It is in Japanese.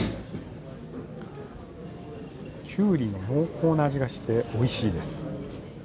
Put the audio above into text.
きゅうりの濃厚な味がしておいしいです。